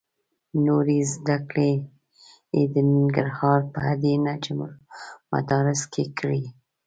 نورې زده کړې یې د ننګرهار په هډې نجم المدارس کې کړې.